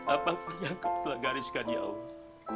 apapun yang telah gariskan ya allah